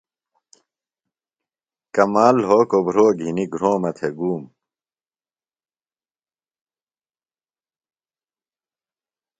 کمال لھوکوۡ بُھروۡ گِھنیۡ گُھرومہ تھےۡ ۡ گُوم۔